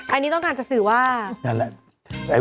อันนี้ต้องการเศรษฐ์ว่า